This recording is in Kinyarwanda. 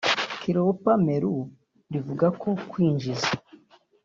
Cleopa Mailu rivuga ko kwinjiza